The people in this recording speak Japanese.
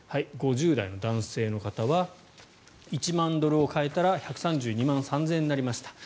５０代の男性の方は１万ドルを替えたら１３２万３０００円になりました。